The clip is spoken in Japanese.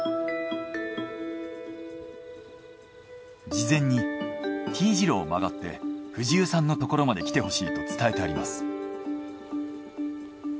事前にＴ字路を曲がって藤生さんの所まで来てほしいと伝えてあります。